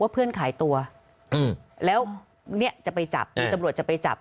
เพื่อนขายตัวแล้วเนี่ยจะไปจับมีตำรวจจะไปจับ